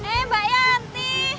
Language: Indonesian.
eh mbak yanti